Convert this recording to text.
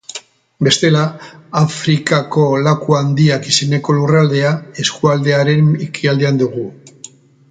Bestela, Afrikako Laku Handiak izeneko lurraldea eskualdearen ekialdean dugu.